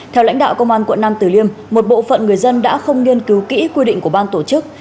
theo lãnh đạo công an quận nam tử liêm một bộ phận người dân đã không nghiên cứu kỹ quy định của ban tổ chức